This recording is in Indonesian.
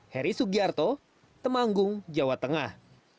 heri sugiarto temanggung jawa tengah